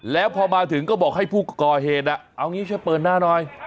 แล้วพอมาถึงก็บอกให้ผู้ก่อเหตุเอางี้ช่วยเปิดหน้าหน่อย